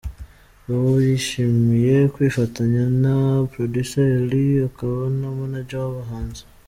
Babo yishimiye kwifatanya na Producer Eliel akaba na Manager w'abahanzi .